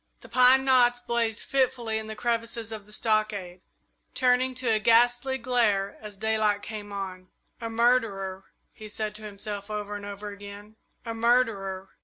The pine knots blazed fitfully in the crevices of the stockade, turning to a ghastly glare as daylight came on. "A murderer!" he said to himself over and over again; "a murderer!"